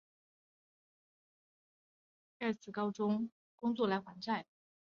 盖茨高中时曾经不得不弃学在家里帮助工作来还债。